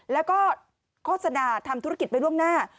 แล้วก็โฆษณาทำธุรกิจไว้ล่วงหน้า